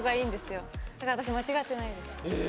だから私間違ってないんです。